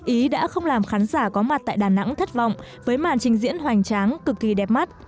ý đã không làm khán giả có mặt tại đà nẵng thất vọng với màn trình diễn hoành tráng cực kỳ đẹp mắt